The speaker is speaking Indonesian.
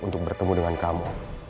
untuk bertemu dengan kamu